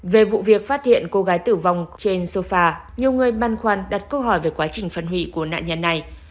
về vụ việc phát hiện cô gái tử vong trên sofa nhiều người băn khoăn đặt câu hỏi về quá trình phân hủy của nạn nhân này